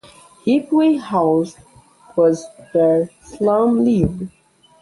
Hip Wai House was where Shum lived.